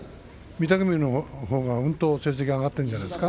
御嶽海のほうがうんと成績が上がっているんじゃないですか。